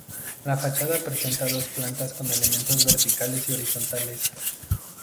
La fachada presenta dos plantas con elementos verticales y horizontales.